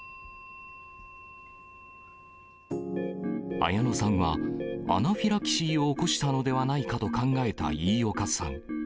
綾乃さんは、アナフィラキシーを起こしたのではないかと考えた飯岡さん。